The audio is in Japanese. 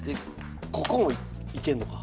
ここもいけんのか。